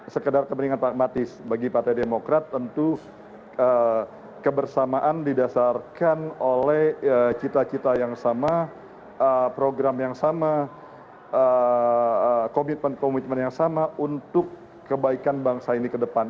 sekedar kepentingan pragmatis bagi partai demokrat tentu kebersamaan didasarkan oleh cita cita yang sama program yang sama komitmen komitmen yang sama untuk kebaikan bangsa ini ke depan